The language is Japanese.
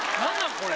これ。